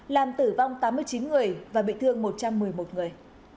làm tử vong tám mươi chín người và bị thương một trăm một mươi một người